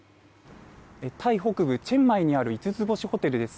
タイ北部チェンマイにある５つ星ホテルです。